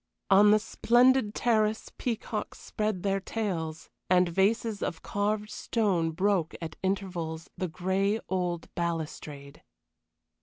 On the splendid terrace peacocks spread their tails, and vases of carved stone broke at intervals the gray old balustrade.